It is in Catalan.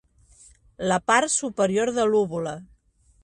La part superior de l'úvula.